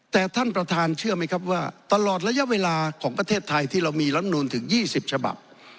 แต่ท่านประธานเชื่อไหมครับว่าตลอดระยะเวลาของประเทศไทยที่เรามีลำนูลถึง๒๐ฉบับ